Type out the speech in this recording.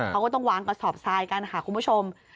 เขาก็ต้องวางกระสอบทรายกันค่ะคุณผู้ชม